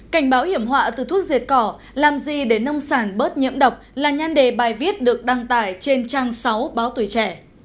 cảnh báo hiểm họa từ thuốc diệt cỏ làm gì để nông sản bớt nhiễm độc là nhan đề bài viết được đăng tải trên trang sáu báo tuổi trẻ